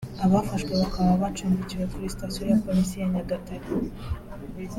abafashwe bakaba bacumbikiwe kuri sitasiyo ya Polisi ya Nyagatare